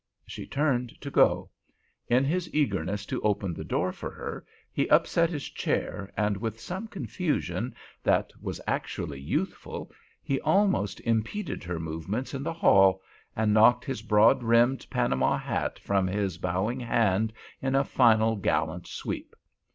She turned to go. In his eagerness to open the door for her he upset his chair, and with some confusion, that was actually youthful, he almost impeded her movements in the hall, and knocked his broad brimmed Panama hat from his bowing hand in a final gallant sweep.